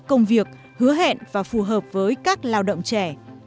công việc hứa hẹn và phù hợp với các lao động trẻ